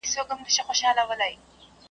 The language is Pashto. نن به د فرنګ د میراث خور په کور کي ساندي وي .